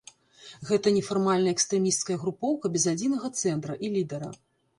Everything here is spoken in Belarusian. Гэта нефармальная экстрэмісцкая групоўка без адзінага цэнтра і лідара.